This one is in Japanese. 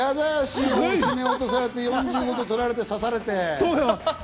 絞め落とされて４５度取られて刺されて。